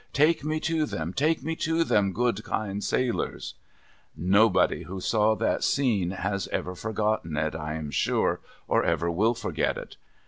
Take me to them, take me to them, good, kind sailors !' Nobody who saw that scene has ever forgotten it, I am sure, or ever will forget it.